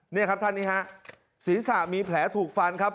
นี่ครับท่านนี้ฮะศีรษะมีแผลถูกฟันครับ